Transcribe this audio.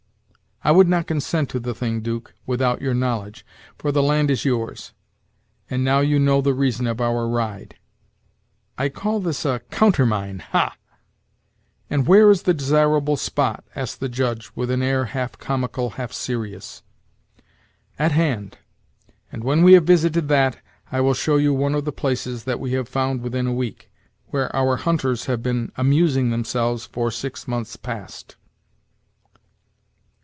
I would not consent to the thing, 'Duke, without your knowledge, for the land is yours; and now you know the reason of our ride. I call this a countermine, ha!" "And where is the desirable spot?" asked the Judge with an air half comical, half serious. "At hand; and when we have visited that, I will show you one of the places that we have found within a week, where our hunters have been amusing themselves for six months past."